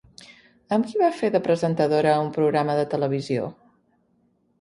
Amb qui va fer de presentadora a un programa de televisió?